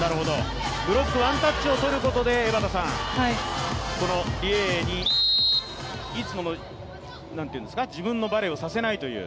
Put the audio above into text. ブロック、ワンタッチを取ることで、リ・エイエイにいつもの自分のバレーをさせないという。